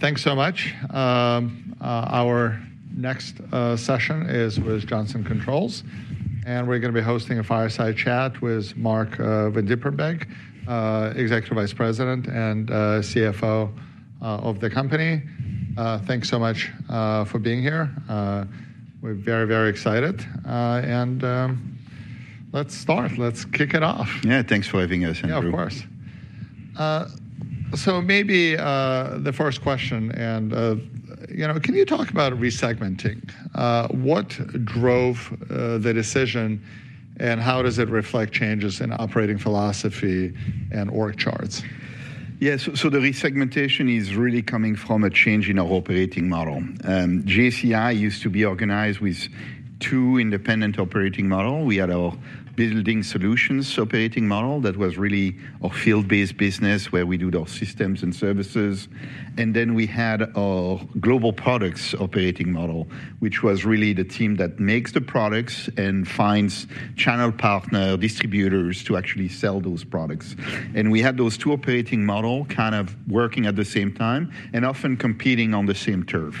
Thanks so much. Our next session is with Johnson Controls, and we're going to be hosting a fireside chat with Marc Vandiepenbeek, Executive Vice President and CFO of the company. Thanks so much for being here. We're very, very excited. Let's start. Let's kick it off. Yeah, thanks for having us. Yeah, of course. So maybe the first question, and can you talk about resegmentation? What drove the decision, and how does it reflect changes in operating philosophy and org charts? Yeah, the resegmentation is really coming from a change in our operating model. GSEI used to be organized with two independent operating models. We had our building solutions operating model that was really our field-based business where we do our systems and services. We had our global products operating model, which was really the team that makes the products and finds channel partners, distributors to actually sell those products. We had those two operating models kind of working at the same time and often competing on the same turf.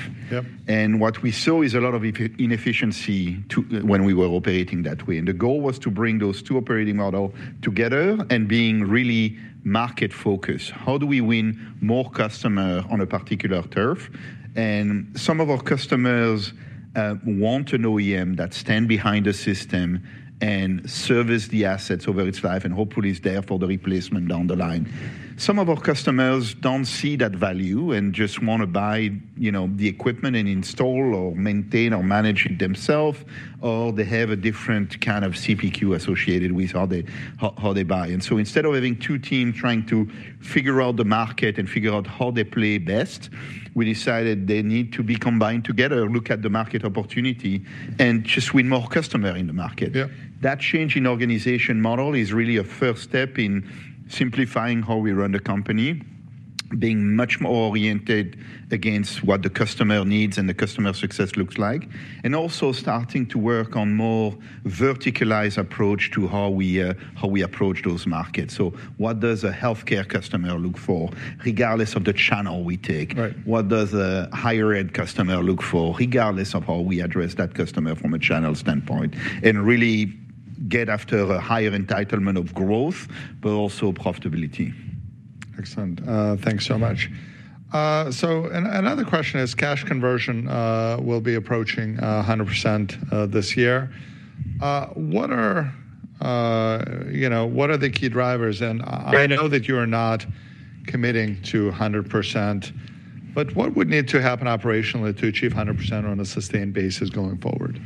What we saw is a lot of inefficiency when we were operating that way. The goal was to bring those two operating models together and be really market-focused. How do we win more customers on a particular turf? Some of our customers want an OEM that stands behind the system and services the assets over its life and hopefully is there for the replacement down the line. Some of our customers do not see that value and just want to buy the equipment and install or maintain or manage it themselves, or they have a different kind of CPQ associated with how they buy. Instead of having two teams trying to figure out the market and figure out how they play best, we decided they need to be combined together, look at the market opportunity, and just win more customers in the market. That change in organization model is really a first step in simplifying how we run the company, being much more oriented against what the customer needs and the customer success looks like, and also starting to work on a more verticalized approach to how we approach those markets. What does a healthcare customer look for, regardless of the channel we take? What does a higher-end customer look for, regardless of how we address that customer from a channel standpoint, and really get after a higher entitlement of growth, but also profitability? Excellent. Thanks so much. Another question is cash conversion will be approaching 100% this year. What are the key drivers? I know that you are not committing to 100%, but what would need to happen operationally to achieve 100% on a sustained basis going forward?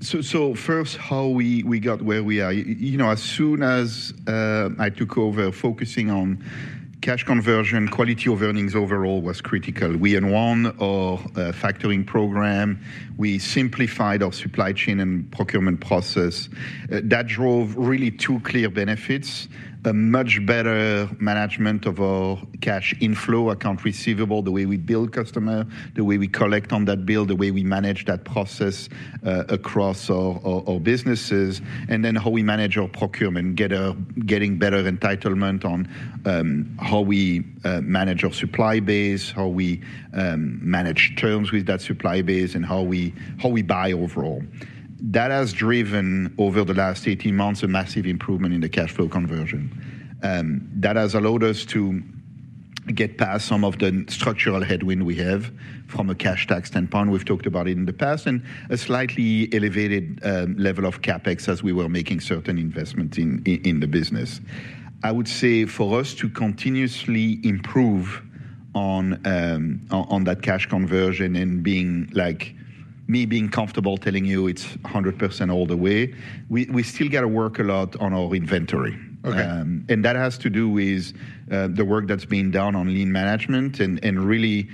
First, how we got where we are. As soon as I took over, focusing on cash conversion, quality of earnings overall was critical. We unwound our factoring program. We simplified our supply chain and procurement process. That drove really two clear benefits: a much better management of our cash inflow, account receivable, the way we bill customers, the way we collect on that bill, the way we manage that process across our businesses, and then how we manage our procurement, getting better entitlement on how we manage our supply base, how we manage terms with that supply base, and how we buy overall. That has driven, over the last 18 months, a massive improvement in the cash flow conversion. That has allowed us to get past some of the structural headwinds we have from a cash tax standpoint. We've talked about it in the past, and a slightly elevated level of CapEx as we were making certain investments in the business. I would say for us to continuously improve on that cash conversion and me being comfortable telling you it's 100% all the way, we still got to work a lot on our inventory. That has to do with the work that's being done on lean management and really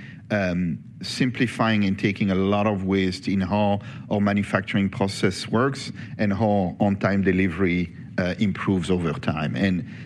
simplifying and taking a lot of waste in how our manufacturing process works and how on-time delivery improves over time.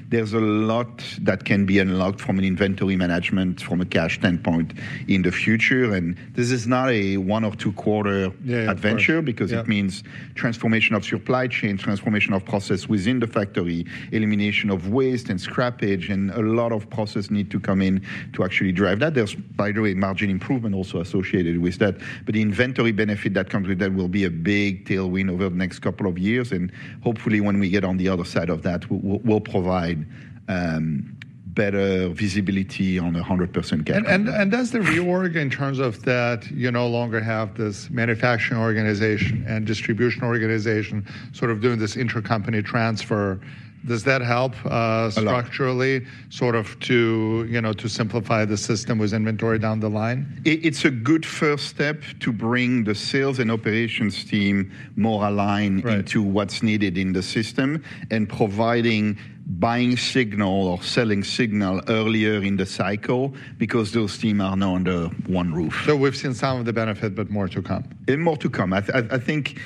There is a lot that can be unlocked from an inventory management from a cash standpoint in the future. This is not a one or two-quarter adventure because it means transformation of supply chain, transformation of process within the factory, elimination of waste and scrappage, and a lot of processes need to come in to actually drive that. There is, by the way, margin improvement also associated with that. The inventory benefit that comes with that will be a big tailwind over the next couple of years. Hopefully, when we get on the other side of that, we will provide better visibility on a 100% cash. Does the reorg, in terms of that, you no longer have this manufacturing organization and distribution organization sort of doing this intercompany transfer, does that help structurally sort of to simplify the system with inventory down the line? It's a good first step to bring the sales and operations team more aligned into what's needed in the system and providing buying signal or selling signal earlier in the cycle because those teams are now under one roof. We've seen some of the benefits, but more to come. More to come. I think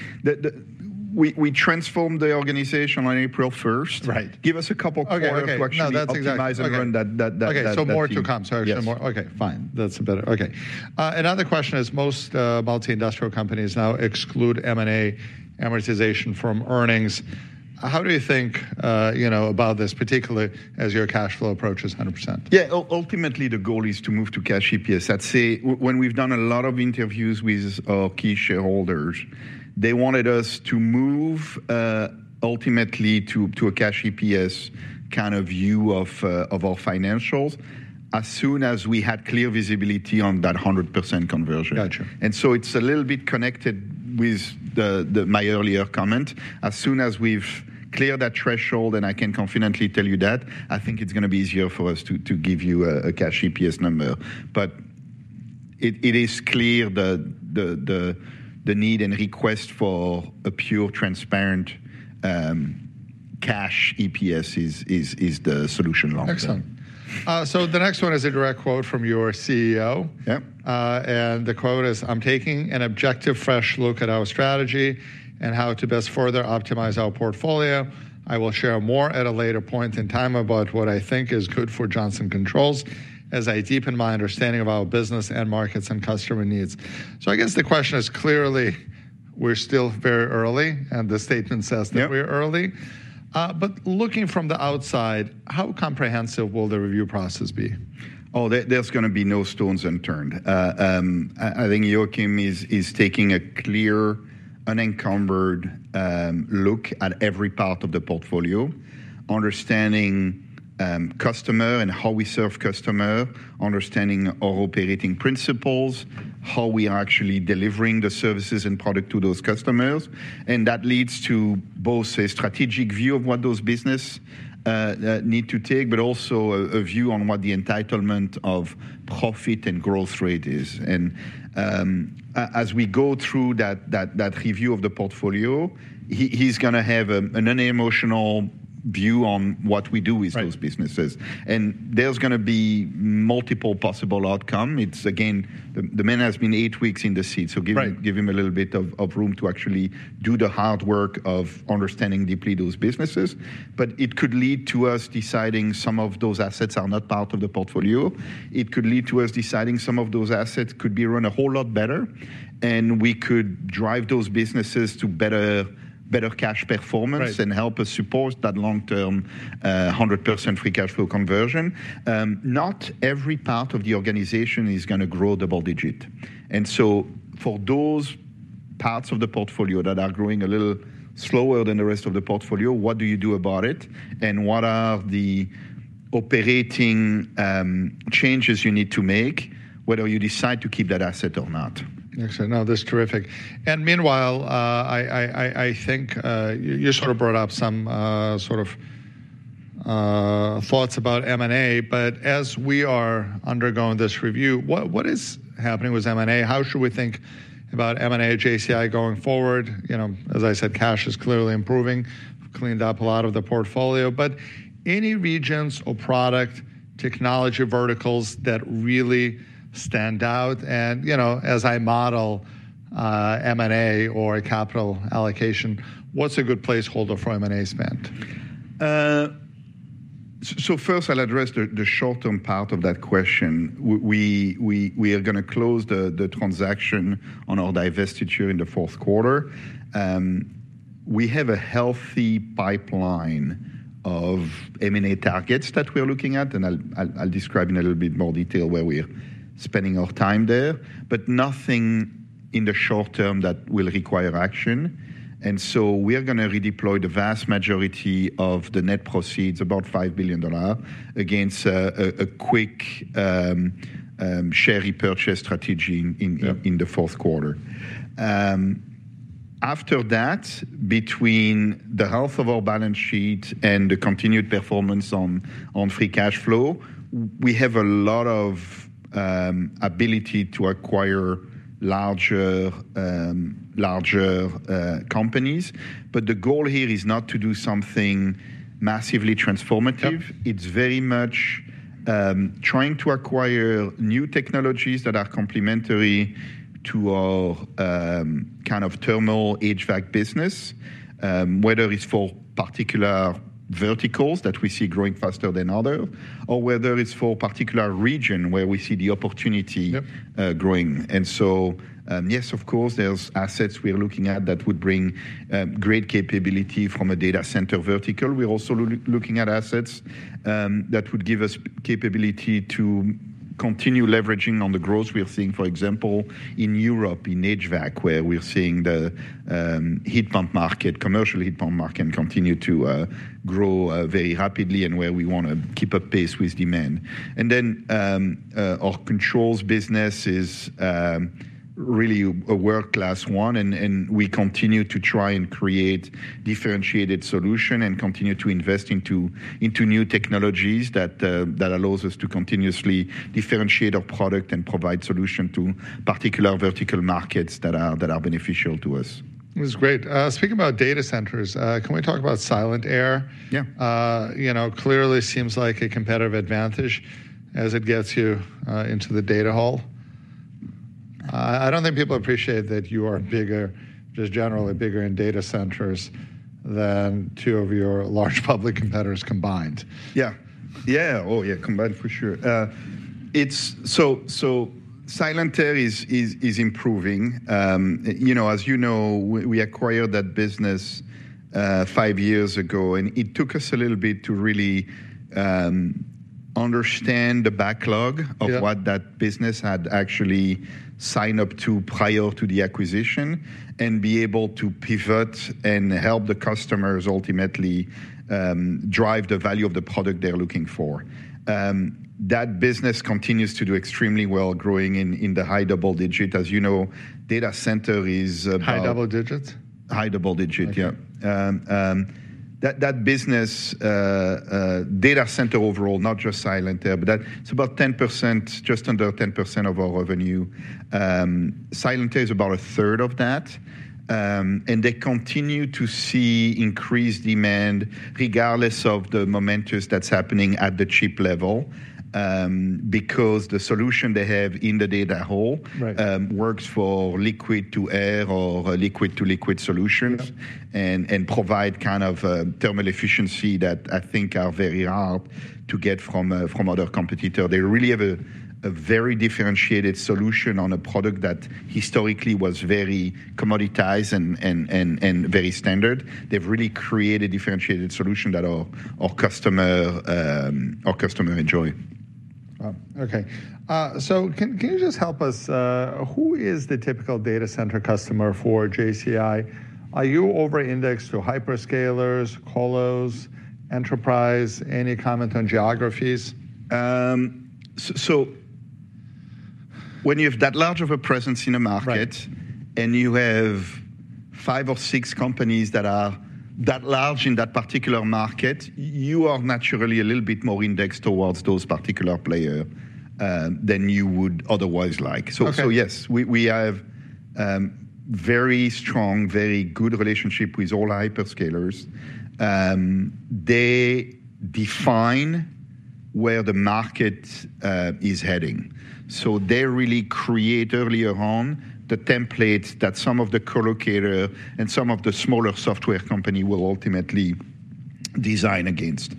we transformed the organization on April 1st. Give us a couple quarters to actually optimize and run that. Okay, so more to come. Sorry, okay, fine. That's better. Okay. Another question is most multi-industrial companies now exclude M&A amortization from earnings. How do you think about this, particularly as your cash flow approach is 100%? Yeah, ultimately, the goal is to move to cash EPS. That's when we've done a lot of interviews with our key shareholders. They wanted us to move ultimately to a cash EPS kind of view of our financials as soon as we had clear visibility on that 100% conversion. It's a little bit connected with my earlier comment. As soon as we've cleared that threshold, and I can confidently tell you that, I think it's going to be easier for us to give you a cash EPS number. It is clear that the need and request for a pure transparent cash EPS is the solution long term. Excellent. The next one is a direct quote from your CEO. The quote is, "I'm taking an objective fresh look at our strategy and how to best further optimize our portfolio. I will share more at a later point in time about what I think is good for Johnson Controls as I deepen my understanding of our business and markets and customer needs." I guess the question is clearly we're still very early, and the statement says that we're early. Looking from the outside, how comprehensive will the review process be? Oh, there's going to be no stones unturned. I think Joakim is taking a clear, unencumbered look at every part of the portfolio, understanding customer and how we serve customers, understanding our operating principles, how we are actually delivering the services and product to those customers. That leads to both a strategic view of what those businesses need to take, but also a view on what the entitlement of profit and growth rate is. As we go through that review of the portfolio, he's going to have an unemotional view on what we do with those businesses. There are going to be multiple possible outcomes. Again, the man has been eight weeks in the seat, so give him a little bit of room to actually do the hard work of understanding deeply those businesses. It could lead to us deciding some of those assets are not part of the portfolio. It could lead to us deciding some of those assets could be run a whole lot better, and we could drive those businesses to better cash performance and help us support that long-term 100% free cash flow conversion. Not every part of the organization is going to grow double digit. For those parts of the portfolio that are growing a little slower than the rest of the portfolio, what do you do about it? What are the operating changes you need to make whether you decide to keep that asset or not? Excellent. No, that's terrific. Meanwhile, I think you sort of brought up some sort of thoughts about M&A, but as we are undergoing this review, what is happening with M&A? How should we think about M&A at JCI going forward? As I said, cash is clearly improving, cleaned up a lot of the portfolio. Any regions or product technology verticals that really stand out? As I model M&A or a capital allocation, what's a good placeholder for M&A spend? First, I'll address the short-term part of that question. We are going to close the transaction on our divestiture in the fourth quarter. We have a healthy pipeline of M&A targets that we're looking at, and I'll describe in a little bit more detail where we're spending our time there, but nothing in the short term that will require action. We are going to redeploy the vast majority of the net proceeds, about $5 billion, against a quick share repurchase strategy in the fourth quarter. After that, between the health of our balance sheet and the continued performance on free cash flow, we have a lot of ability to acquire larger companies. The goal here is not to do something massively transformative. It's very much trying to acquire new technologies that are complementary to our kind of terminal HVAC business, whether it's for particular verticals that we see growing faster than others, or whether it's for a particular region where we see the opportunity growing. Yes, of course, there's assets we're looking at that would bring great capability from a data center vertical. We're also looking at assets that would give us capability to continue leveraging on the growth we're seeing, for example, in Europe in HVAC, where we're seeing the heat pump market, commercial heat pump market, continue to grow very rapidly and where we want to keep up pace with demand. Our controls business is really a world-class one, and we continue to try and create differentiated solutions and continue to invest into new technologies that allow us to continuously differentiate our product and provide solutions to particular vertical markets that are beneficial to us. That's great. Speaking about data centers, can we talk about Silent-Aire? Yeah. Clearly seems like a competitive advantage as it gets you into the data hall. I do not think people appreciate that you are bigger, just generally bigger in data centers than two of your large public competitors combined. Yeah. Yeah. Oh, yeah, combined for sure. So Silent-Aire is improving. As you know, we acquired that business five years ago, and it took us a little bit to really understand the backlog of what that business had actually signed up to prior to the acquisition and be able to pivot and help the customers ultimately drive the value of the product they're looking for. That business continues to do extremely well, growing in the high double digit. As you know, data center is about. High double digits. High double digit, yeah. That business, data center overall, not just Silent-Aire, but that's about 10%, just under 10% of our revenue. Silent-Aire is about a third of that. They continue to see increased demand, regardless of the momentum that's happening at the chip level, because the solution they have in the data hall works for liquid to air or liquid to liquid solutions and provides kind of thermal efficiency that I think are very hard to get from other competitors. They really have a very differentiated solution on a product that historically was very commoditized and very standard. They've really created differentiated solutions that our customers enjoy. Wow. Okay. So can you just help us? Who is the typical data center customer for JCI? Are you over-indexed to hyperscalers, colos, enterprise? Any comment on geographies? When you have that large of a presence in a market and you have five or six companies that are that large in that particular market, you are naturally a little bit more indexed towards those particular players than you would otherwise like. Yes, we have a very strong, very good relationship with all hyperscalers. They define where the market is heading. They really create earlier on the template that some of the colocators and some of the smaller software companies will ultimately design against.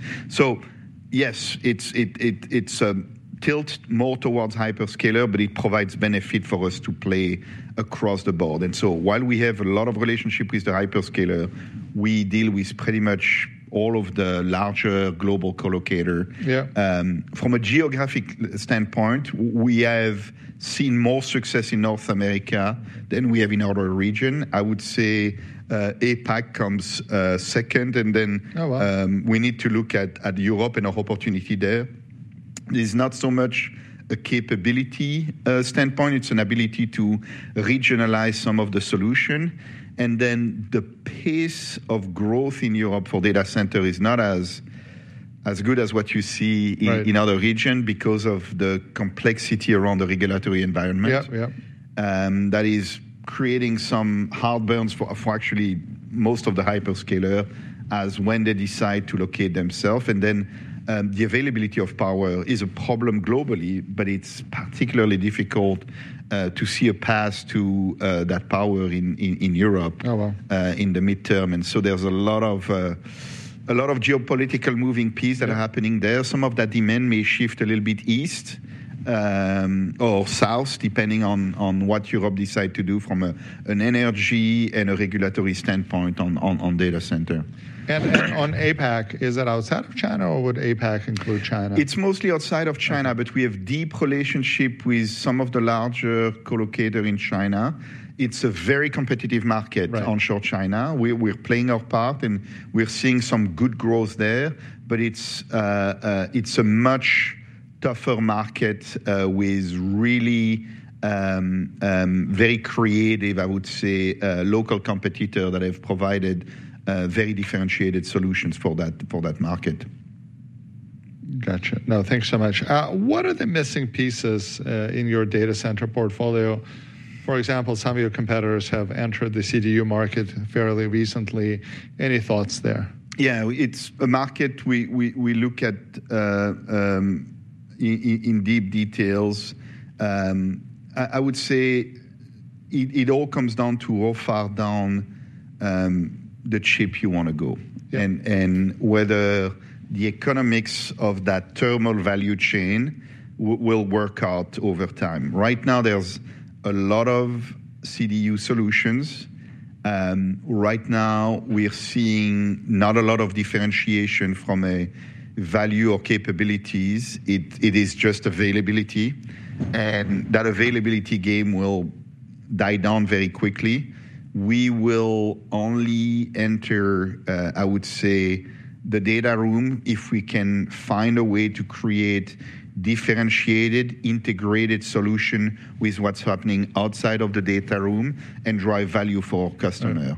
Yes, it is tilted more towards hyperscalers, but it provides benefit for us to play across the board. While we have a lot of relationships with the hyperscalers, we deal with pretty much all of the larger global colocators. From a geographic standpoint, we have seen more success in North America than we have in other regions. I would say APAC comes second, and then we need to look at Europe and our opportunity there. It's not so much a capability standpoint. It's an ability to regionalize some of the solutions. The pace of growth in Europe for data centers is not as good as what you see in other regions because of the complexity around the regulatory environment that is creating some hard burns for actually most of the hyperscalers as when they decide to locate themselves. The availability of power is a problem globally, but it's particularly difficult to see a path to that power in Europe in the midterm. There are a lot of geopolitical moving pieces that are happening there. Some of that demand may shift a little bit east or south, depending on what Europe decides to do from an energy and a regulatory standpoint on data centers. On APAC, is it outside of China, or would APAC include China? It's mostly outside of China, but we have a deep relationship with some of the larger colocators in China. It's a very competitive market onshore China. We're playing our part, and we're seeing some good growth there. It is a much tougher market with really very creative, I would say, local competitors that have provided very differentiated solutions for that market. Gotcha. No, thanks so much. What are the missing pieces in your data center portfolio? For example, some of your competitors have entered the CDU market fairly recently. Any thoughts there? Yeah, it's a market we look at in deep details. I would say it all comes down to how far down the chip you want to go and whether the economics of that terminal value chain will work out over time. Right now, there's a lot of CDU solutions. Right now, we're seeing not a lot of differentiation from a value or capabilities. It is just availability. That availability game will die down very quickly. We will only enter, I would say, the data room if we can find a way to create differentiated, integrated solutions with what's happening outside of the data room and drive value for our customers.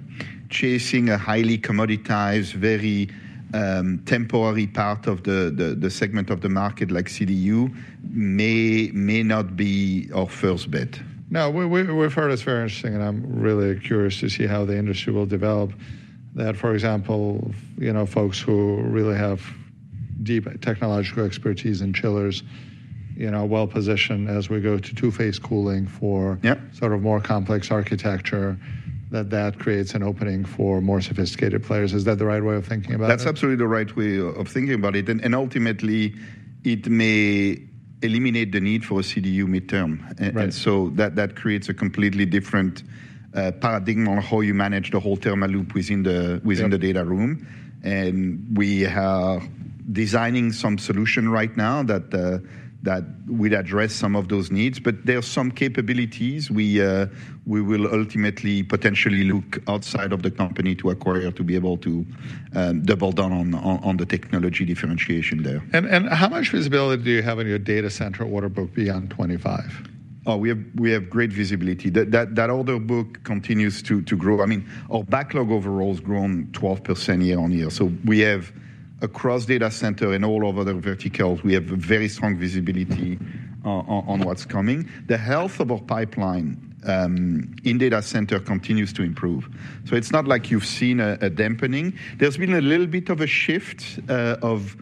Chasing a highly commoditized, very temporary part of the segment of the market like CDU may not be our first bet. No, we've heard it's very interesting, and I'm really curious to see how the industry will develop. That, for example, folks who really have deep technological expertise in chillers are well positioned as we go to two-phase cooling for sort of more complex architecture, that that creates an opening for more sophisticated players. Is that the right way of thinking about it? That's absolutely the right way of thinking about it. Ultimately, it may eliminate the need for a CDU midterm. That creates a completely different paradigm on how you manage the whole terminal loop within the data room. We are designing some solution right now that would address some of those needs. There are some capabilities we will ultimately potentially look outside of the company to acquire to be able to double down on the technology differentiation there. How much visibility do you have in your data center order book beyond 2025? Oh, we have great visibility. That order book continues to grow. I mean, our backlog overall has grown 12% year on year. So we have, across data centers and all of other verticals, we have very strong visibility on what's coming. The health of our pipeline in data centers continues to improve. So it's not like you've seen a dampening. There's been a little bit of a shift of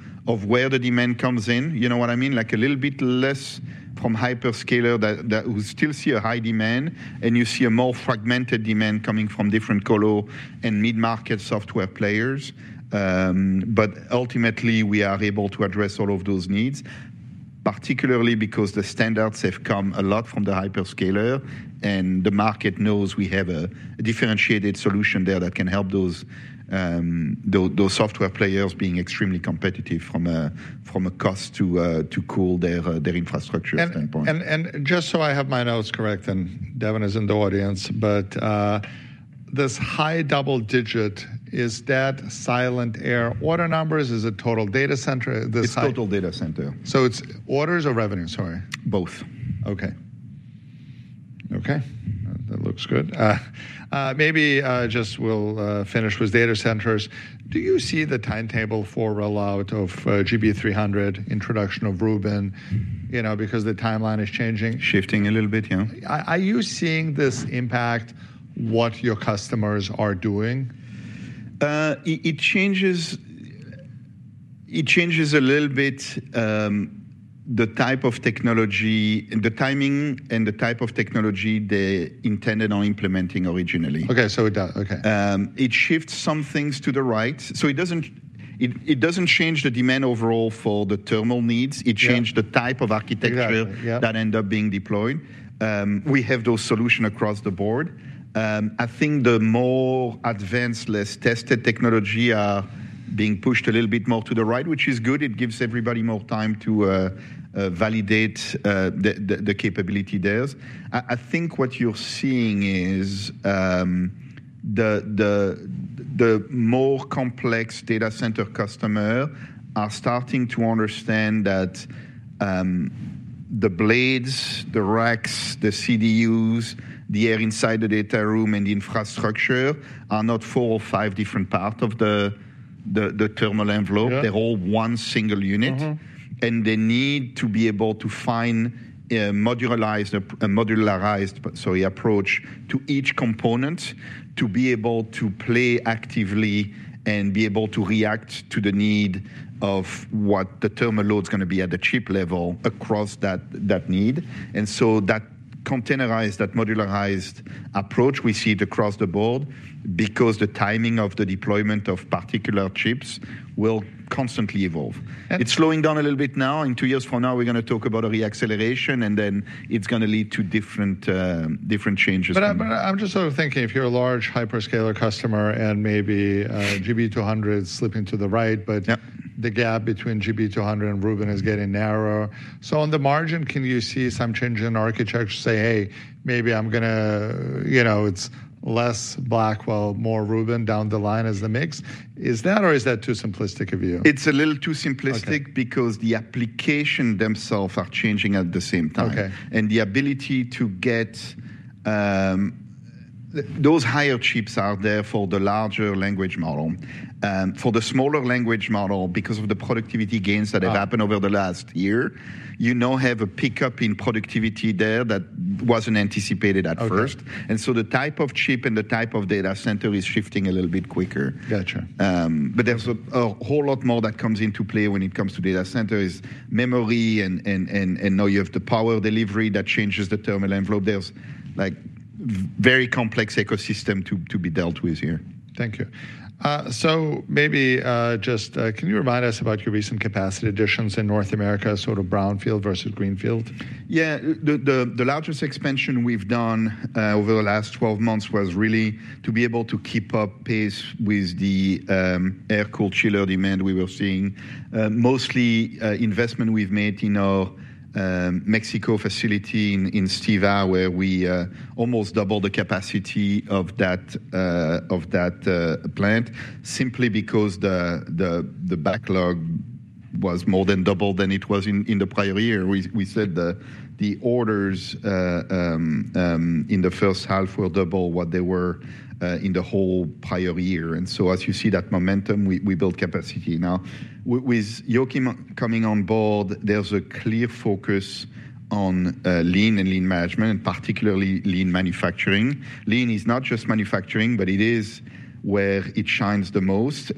where the demand comes in, you know what I mean? Like a little bit less from hyperscalers that we still see a high demand, and you see a more fragmented demand coming from different colo and mid-market software players. Ultimately, we are able to address all of those needs, particularly because the standards have come a lot from the hyperscalers, and the market knows we have a differentiated solution there that can help those software players be extremely competitive from a cost to cool their infrastructure standpoint. Just so I have my notes correct, and Devin is in the audience, but this high double digit, is that Silent-Aire order numbers? Is it total data center? It's total data center. Is it orders or revenue, sorry? Both. Okay. Okay. That looks good. Maybe just we'll finish with data centers. Do you see the timetable for rollout of GB300, introduction of Rubin, because the timeline is changing? Shifting a little bit, yeah. Are you seeing this impact what your customers are doing? It changes a little bit the type of technology, the timing, and the type of technology they intended on implementing originally. Okay. So it does. Okay. It shifts some things to the right. It does not change the demand overall for the terminal needs. It changes the type of architecture that ends up being deployed. We have those solutions across the board. I think the more advanced, less tested technologies are being pushed a little bit more to the right, which is good. It gives everybody more time to validate the capability there. I think what you are seeing is the more complex data center customers are starting to understand that the blades, the racks, the CDUs, the air inside the data room, and the infrastructure are not four or five different parts of the terminal envelope. They are all one single unit. They need to be able to find a modularized approach to each component to be able to play actively and be able to react to the need of what the terminal load is going to be at the chip level across that need. That containerized, that modularized approach, we see it across the board because the timing of the deployment of particular chips will constantly evolve. It's slowing down a little bit now. In two years from now, we're going to talk about a reacceleration, and then it's going to lead to different changes there. I'm just sort of thinking if you're a large hyperscaler customer and maybe GB200 is slipping to the right, but the gap between GB200 and Rubin is getting narrower. On the margin, can you see some change in architecture to say, "Hey, maybe I'm going to, you know, it's less Blackwell, more Rubin down the line as the mix"? Is that or is that too simplistic of a view? It's a little too simplistic because the applications themselves are changing at the same time. The ability to get those higher chips out there for the larger language model, for the smaller language model, because of the productivity gains that have happened over the last year, you now have a pickup in productivity there that was not anticipated at first. The type of chip and the type of data center is shifting a little bit quicker. There is a whole lot more that comes into play when it comes to data centers, memory, and now you have the power delivery that changes the terminal envelope. There is a very complex ecosystem to be dealt with here. Thank you. Maybe just can you remind us about your recent capacity additions in North America, sort of brownfield versus greenfield? Yeah. The largest expansion we have done over the last 12 months was really to be able to keep up pace with the air-cooled chiller demand we were seeing. Mostly investment we have made in our Mexico facility in Saltillo, where we almost doubled the capacity of that plant, simply because the backlog was more than double than it was in the prior year. We said the orders in the first half were double what they were in the whole prior year. As you see that momentum, we built capacity. Now, with Joakim coming on board, there is a clear focus on lean and lean management, particularly lean manufacturing. Lean is not just manufacturing, but it is where it shines the most.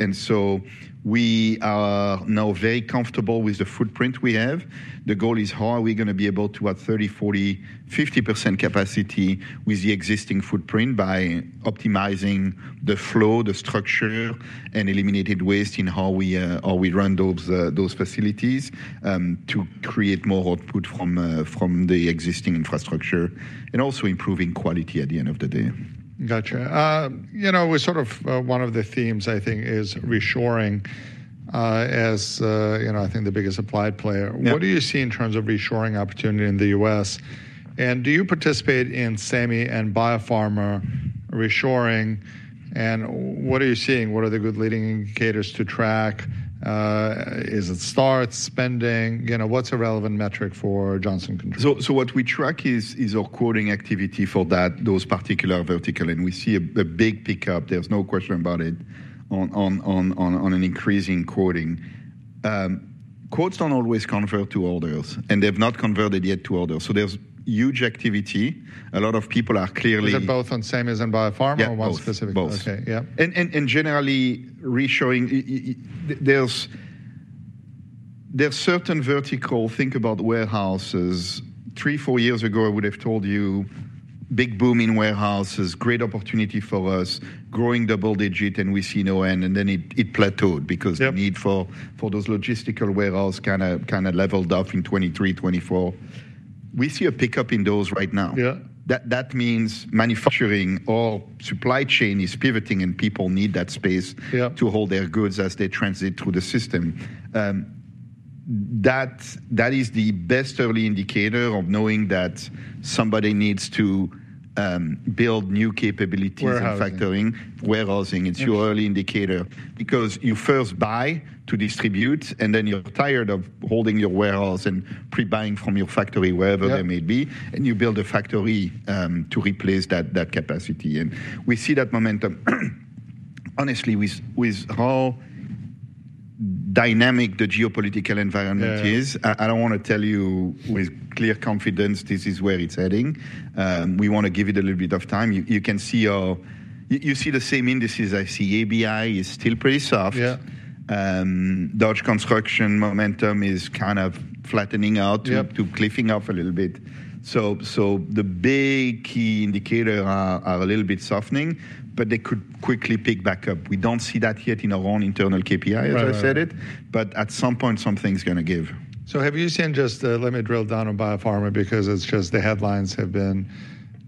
We are now very comfortable with the footprint we have. The goal is how are we going to be able to add 30-40-50% capacity with the existing footprint by optimizing the flow, the structure, and eliminating waste in how we run those facilities to create more output from the existing infrastructure and also improving quality at the end of the day. Gotcha. You know, sort of one of the themes, I think, is reshoring as, you know, I think the biggest supply player. What do you see in terms of reshoring opportunity in the U.S.? And do you participate in SEMI and BioPharma reshoring? And what are you seeing? What are the good leading indicators to track? Is it start spending? You know, what's a relevant metric for Johnson Controls? What we track is our quoting activity for those particular verticals. We see a big pickup. There is no question about it on an increasing quoting. Quotes do not always convert to orders, and they have not converted yet to orders. There is huge activity. A lot of people are clearly. Is it both on SEMI and BioPharma or one specific? Both. Okay. Yeah. Generally, reshoring, there's certain verticals, think about warehouses. Three, four years ago, I would have told you big boom in warehouses, great opportunity for us, growing double digit, and we see no end. It plateaued because the need for those logistical warehouses kind of leveled off in 2023, 2024. We see a pickup in those right now. That means manufacturing or supply chain is pivoting, and people need that space to hold their goods as they transit through the system. That is the best early indicator of knowing that somebody needs to build new capabilities in factoring, warehousing. It's your early indicator because you first buy to distribute, and then you're tired of holding your warehouse and pre-buying from your factory wherever they may be, and you build a factory to replace that capacity. We see that momentum. Honestly, with how dynamic the geopolitical environment is, I do not want to tell you with clear confidence this is where it is heading. We want to give it a little bit of time. You can see our, you see the same indices I see. ABI is still pretty soft. Dodge Construction momentum is kind of flattening out to cliffing off a little bit. The big key indicators are a little bit softening, but they could quickly pick back up. We do not see that yet in our own internal KPI, as I said it, but at some point, something is going to give. Have you seen, just let me drill down on BioPharma because it's just the headlines have been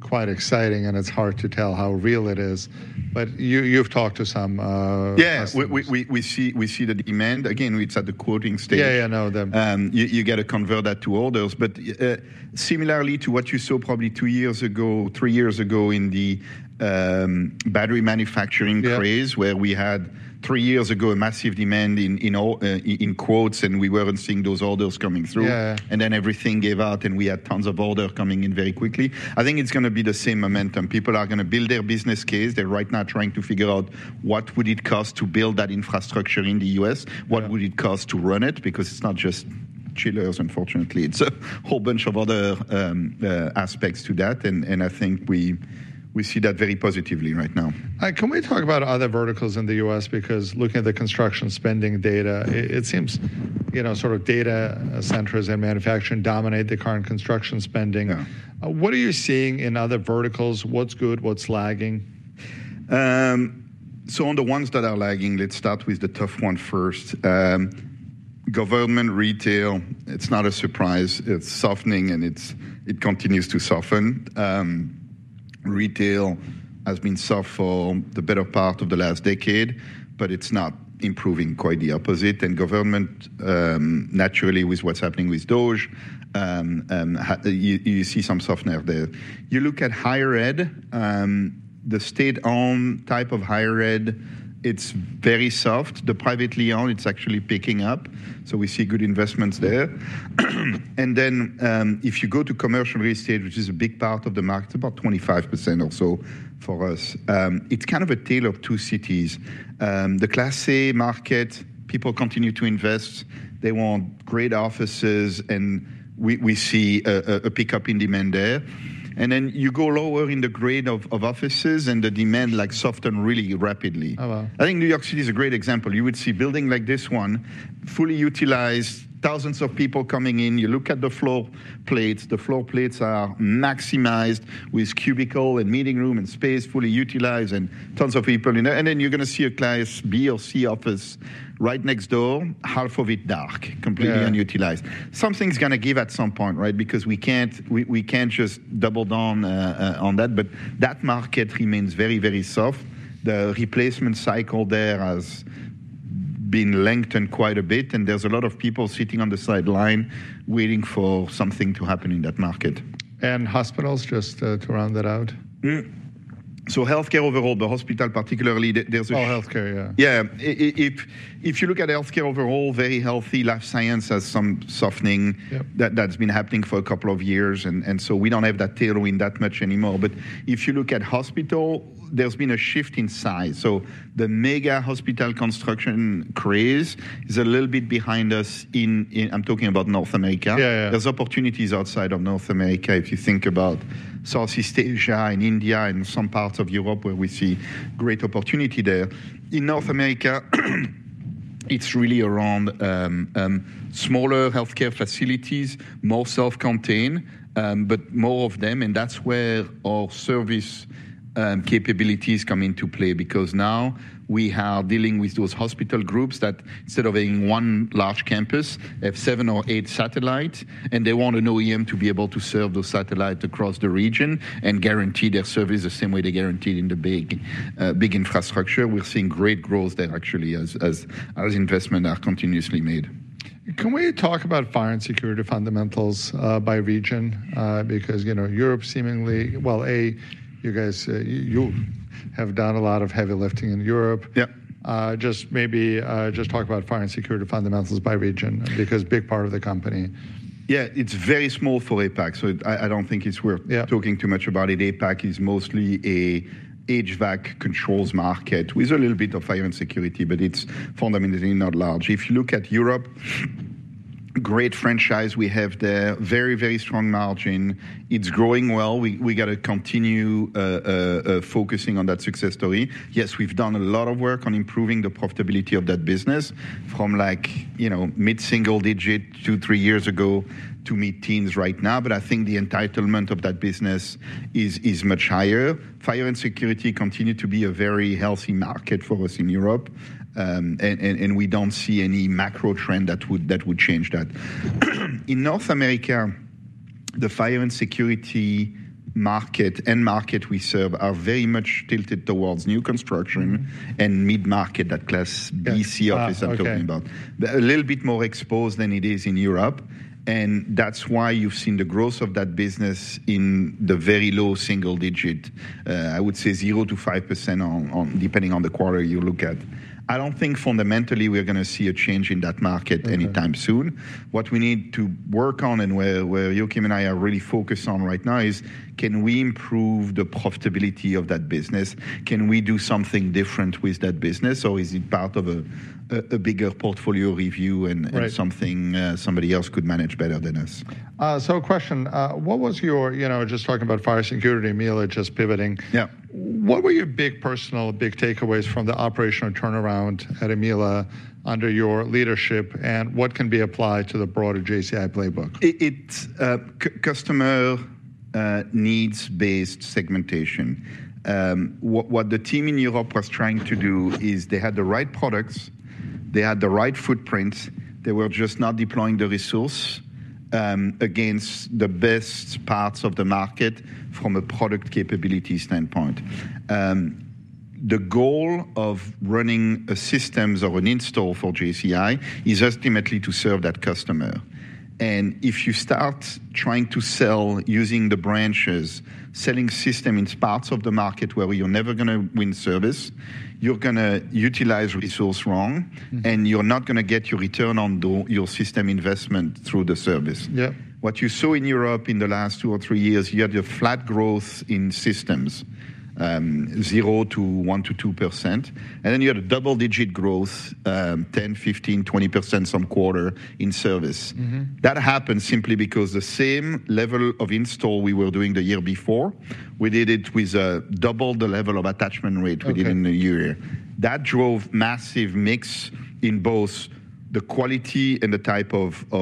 quite exciting, and it's hard to tell how real it is. But you've talked to some. Yeah. We see the demand. Again, it's at the quoting stage. Yeah, yeah, I know. You got to convert that to orders. Similarly to what you saw probably two years ago, three years ago in the battery manufacturing craze, where we had three years ago a massive demand in quotes, and we were not seeing those orders coming through. Then everything gave out, and we had tons of orders coming in very quickly. I think it is going to be the same momentum. People are going to build their business case. They are right now trying to figure out what would it cost to build that infrastructure in the U.S., what would it cost to run it, because it is not just chillers, unfortunately. It is a whole bunch of other aspects to that. I think we see that very positively right now. Can we talk about other verticals in the U.S.? Because looking at the construction spending data, it seems sort of data centers and manufacturing dominate the current construction spending. What are you seeing in other verticals? What's good? What's lagging? On the ones that are lagging, let's start with the tough one first. Government retail, it's not a surprise. It's softening, and it continues to soften. Retail has been soft for the better part of the last decade, but it's not improving, quite the opposite. And government, naturally, with what's happening with DOGE, you see some softness there. You look at higher ed, the state-owned type of higher ed, it's very soft. The privately owned, it's actually picking up. We see good investments there. If you go to commercial real estate, which is a big part of the market, about 25% or so for us, it's kind of a tale of two cities. The Class A market, people continue to invest. They want great offices, and we see a pickup in demand there. You go lower in the grade of offices, and the demand like softens really rapidly. I think New York City is a great example. You would see a building like this one, fully utilized, thousands of people coming in. You look at the floor plates. The floor plates are maximized with cubicle and meeting room and space fully utilized and tons of people in there. You are going to see a Class B or C office right next door, half of it dark, completely unutilized. Something's going to give at some point, right? Because we can't just double down on that. That market remains very, very soft. The replacement cycle there has been lengthened quite a bit, and there's a lot of people sitting on the sideline waiting for something to happen in that market. Hospitals, just to round that out? Healthcare overall, the hospital particularly, there's a. All healthcare, yeah. Yeah. If you look at healthcare overall, very healthy, life science has some softening that's been happening for a couple of years. And so we don't have that tailoring that much anymore. If you look at hospital, there's been a shift in size. The mega hospital construction craze is a little bit behind us in, I'm talking about North America. There's opportunities outside of North America if you think about Southeast Asia and India and some parts of Europe where we see great opportunity there. In North America, it's really around smaller healthcare facilities, more self-contained, but more of them. That is where our service capabilities come into play because now we are dealing with those hospital groups that instead of having one large campus, have seven or eight satellites, and they want an OEM to be able to serve those satellites across the region and guarantee their service the same way they guaranteed in the big infrastructure. We are seeing great growth there actually as investments are continuously made. Can we talk about fire and security fundamentals by region? Because Europe seemingly, A, you guys have done a lot of heavy lifting in Europe. Just maybe just talk about fire and security fundamentals by region because big part of the company. Yeah, it's very small for APAC. So I don't think it's worth talking too much about it. APAC is mostly an HVAC controls market with a little bit of fire and security, but it's fundamentally not large. If you look at Europe, great franchise we have there, very, very strong margin. It's growing well. We got to continue focusing on that success story. Yes, we've done a lot of work on improving the profitability of that business from like mid-single digit two, three years ago to mid-teens right now. But I think the entitlement of that business is much higher. Fire and security continues to be a very healthy market for us in Europe, and we don't see any macro trend that would change that. In North America, the fire and security market and market we serve are very much tilted towards new construction and mid-market, that Class B, C office I'm talking about. A little bit more exposed than it is in Europe. That is why you've seen the growth of that business in the very low single digit, I would say 0-5% depending on the quarter you look at. I don't think fundamentally we're going to see a change in that market anytime soon. What we need to work on and where Joakim and I are really focused on right now is can we improve the profitability of that business? Can we do something different with that business, or is it part of a bigger portfolio review and something somebody else could manage better than us? A question. What was your, you know, just talking about fire security, EMELA just pivoting, what were your big personal, big takeaways from the operational turnaround at EMELA under your leadership, and what can be applied to the broader JCI playbook? It's customer needs-based segmentation. What the team in Europe was trying to do is they had the right products, they had the right footprints, they were just not deploying the resource against the best parts of the market from a product capability standpoint. The goal of running a systems or an install for JCI is ultimately to serve that customer. If you start trying to sell using the branches, selling systems in parts of the market where you're never going to win service, you're going to utilize resource wrong, and you're not going to get your return on your system investment through the service. What you saw in Europe in the last two or three years, you had your flat growth in systems, zero to 1% to 2%. Then you had a double-digit growth, 10%-15%-20% some quarter in service. That happened simply because the same level of install we were doing the year before, we did it with double the level of attachment rate we did in the year. That drove massive mix in both the quality and the type of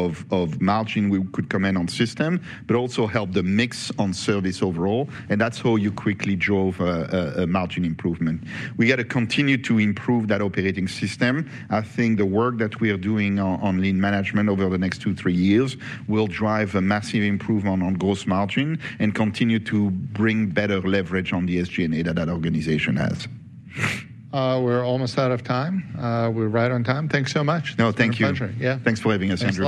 margin we could come in on system, but also helped the mix on service overall. That is how you quickly drove a margin improvement. We got to continue to improve that operating system. I think the work that we are doing on lean management over the next two, three years will drive a massive improvement on gross margin and continue to bring better leverage on the SG&A that that organization has. We're almost out of time. We're right on time. Thanks so much. No, thank you. My pleasure. Yeah. Thanks for having us here.